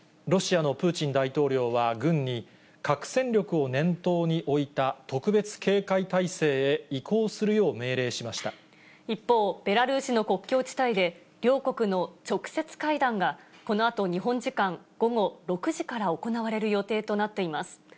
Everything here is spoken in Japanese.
ロシアのプーチン大統領は、軍に核戦力を念頭に置いた特別警戒態勢へ移行するよう命令しまし一方、ベラルーシの国境地帯で、両国の直接会談が、このあと日本時間午後６時から行われる予定となっています。